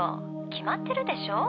決まってるでしょう？」